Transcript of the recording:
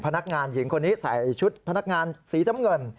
พนักงานหญิงคนนี้ใส่ชุดพนักงานสีน้ำเงิน